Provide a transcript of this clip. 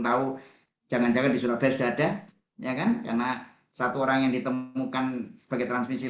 tahu jangan jangan di surabaya sudah ada ya kan karena satu orang yang ditemukan sebagai transmisi